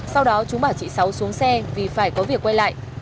sau đó chúng bảo chị sáu xuống xe vì phải có việc quay lại